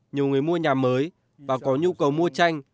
nhiều người mua nhà mới và có nhu cầu mua tranh